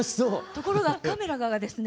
ところがカメラがですね